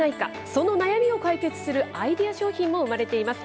その悩みを解決するアイデア商品も生まれています。